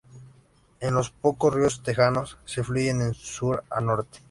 Es de los pocos ríos texanos que fluyen de sur a norte.